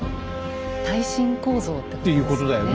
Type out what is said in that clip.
耐震構造ってことですよね。